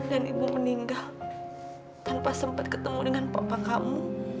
dan ibu meninggal tanpa sempat ketemu dengan papa kamu